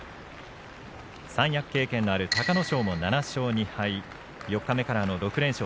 三役経験のある隆の勝も７勝２敗四日目からの６連勝。